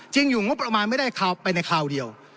จริงอย่างงี้ประมาณไม่ได้ในคราวเดียว